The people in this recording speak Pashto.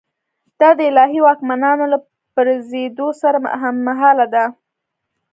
دا د الهي واکمنانو له پرځېدو سره هممهاله ده.